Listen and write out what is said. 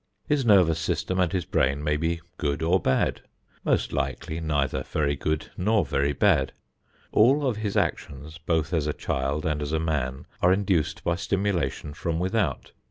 His nervous system and his brain may be good or bad most likely neither very good nor very bad. All of his actions both as a child and as a man are induced by stimulation from without.